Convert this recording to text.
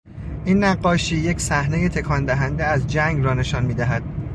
این نقاشی یک صحنهی تکان دهنده از جنگ را نشان میدهد.